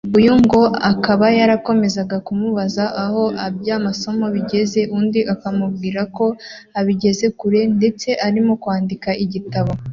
uyu ngo akaba yarakomezaga kumubaza aho iby’amasomo bigeze undi akamubwira ko abigeze kure ndetse arimo kwandika igitabo